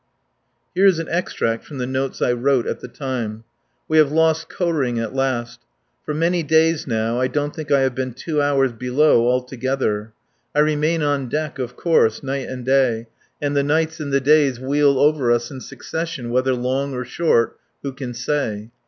Here is an extract from the notes I wrote at the time. "We have lost Koh ring at last. For many days now I don't think I have been two hours below altogether. I remain on deck, of course, night and day, and the nights and the days wheel over us in succession, whether long or short, who can say?